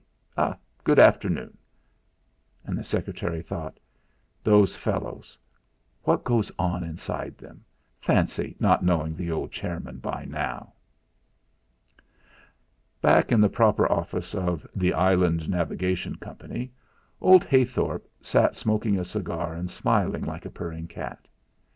Good afternoon!" And the secretary thought: '.hose fellows, what does go on inside them? Fancy not knowing the old chairman by now!'... 2 Back in the proper office of "The Island Navigation Company" old Heythorp sat smoking a cigar and smiling like a purring cat.